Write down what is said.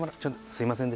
すみません。